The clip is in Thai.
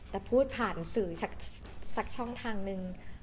แต่พูดผ่านสื่อสักช่องทางนึง